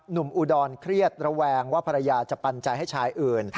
อุดรเครียดระแวงว่าภรรยาจะปันใจให้ชายอื่น